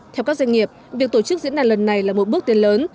theo các doanh nghiệp việc tổ chức diễn đàn lần này là một bước tiến lớn